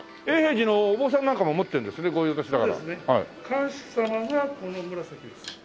貫首様がこの紫です。